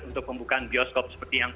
untuk pembukaan bioskop seperti yang